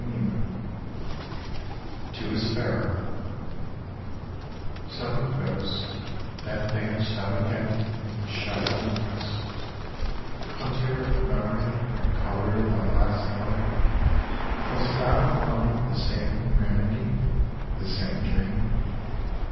U4 TO A SPARROW Sudden ghost That danced out again from the shadow and rest, Hunter of the memory and colour of thy last life, Dost thou find the same humanity, the same dream